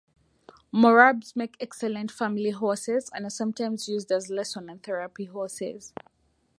Morabs make excellent family horses, and are sometimes used as lesson and therapy horses.